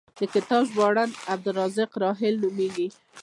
د کتاب ژباړن عبدالرزاق راحل نومېږي.